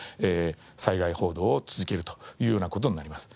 災害報道を続けるというような事になります。